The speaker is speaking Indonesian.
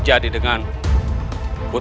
lampau physical tentu dapat